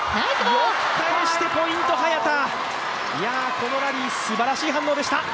このラリー、すばらしい反応でした。